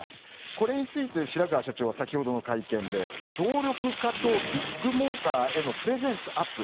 これについて白川社長は先ほどの会見で省力化とビッグモーターへのプレゼンスアップ